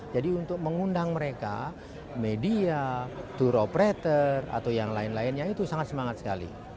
jadi untuk mengundang mereka media tour operator atau yang lain lain ya itu sangat semangat sekali